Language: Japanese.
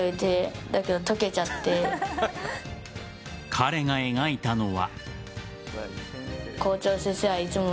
彼が描いたのは。